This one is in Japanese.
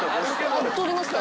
あっ通りますか？